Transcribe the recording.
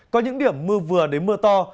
có những điểm mưa vừa đến mưa to